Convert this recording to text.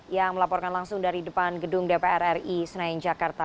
yang melaporkan langsung dari depan gedung dpr ri senayan jakarta